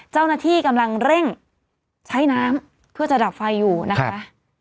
เจ้าหน้าที่กำลังเร่งใช้น้ำเพื่อจะดับไฟอยู่นะคะ